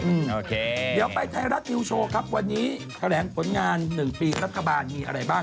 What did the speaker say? เดี๋ยวไปไทรรัฐยูโชว์ครับวันนี้แดดขนาด๑ปีรัฐกบาลมีอะไรบ้าง